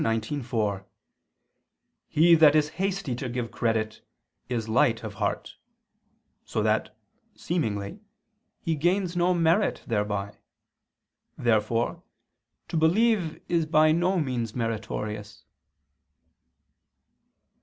19:4: "He that is hasty to give credit, is light of heart," so that, seemingly, he gains no merit thereby. Therefore to believe is by no means meritorious.